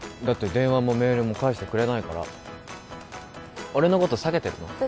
だって電話もメールも返してくれないから俺のこと避けてるの？